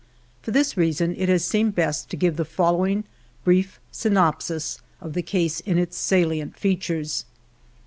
For this reason it has seemed best to give the following brief synopsis of the case in its salient features.